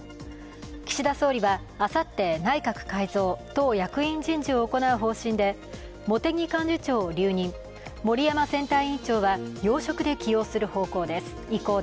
岸田総理はあさって内閣改造・党役員人事を行う方針で、茂木幹事長を留任、森山選対委員長は要職で起用する意向です。